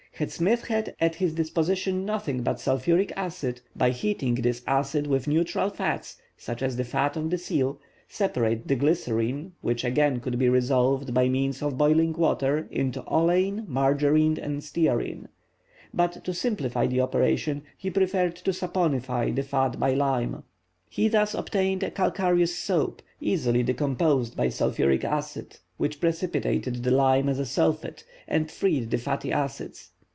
Had Smith had at his disposition nothing but sulphuric acid, he could, by heating this acid with neutral fats, such as the fat of the seal, separate the glycerine, which again could be resolved, by means of boiling water, into oleine, margarine, and stearine. But, to simplify the operation, he preferred to saponify the fat by lime. He thus obtained a calcareous soap, easily decomposed by sulphuric acid, which precipitated the lime as a sulphate, and freed the fatty acids.